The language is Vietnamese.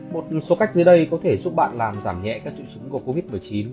một số cách dưới đây có thể giúp bạn làm giảm nhẹ các triệu chứng của covid một mươi chín